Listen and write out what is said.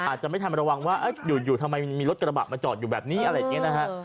อาจจะไม่ทันระวังว่าอยู่ทำไมมันมีรถกระบะมาจอดอยู่แบบนี้อะไรอย่างนี้นะฮะ